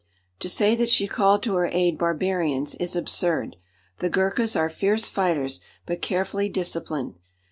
To say that she called to her aid barbarians is absurd. The Ghurkas are fierce fighters, but carefully disciplined.